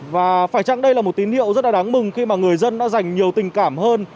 và phải chăng đây là một tín hiệu rất là đáng mừng khi mà người dân đã dành nhiều tình cảm hơn